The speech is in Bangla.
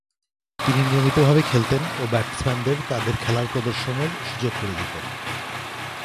তিনি নিয়মিতভাবে খেলতেন ও ব্যাটসম্যানদেরকে তাদের খেলার প্রদর্শনের সুযোগ করে দিতেন।